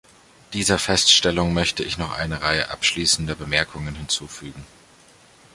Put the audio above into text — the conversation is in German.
Dieser Feststellung möchte ich noch eine Reihe abschließender Bemerkungen hinzufügen.